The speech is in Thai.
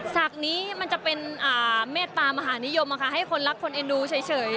นี้มันจะเป็นเมตตามหานิยมให้คนรักคนเอ็นดูเฉย